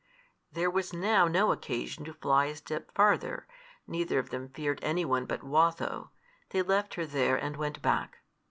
There was now no occasion to fly a step farther. Neither of them feared any one but Watho. They left her there, and went back.